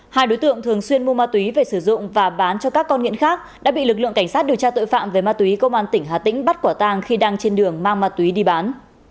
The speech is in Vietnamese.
hai đối tượng thường xuyên mua ma túy về sử dụng và bán cho các con nghiện khác đã bị lực lượng cảnh sát điều tra tội phạm về ma túy công an tỉnh hà tĩnh bắt quả tàng khi đang trên đường mang ma túy đi bán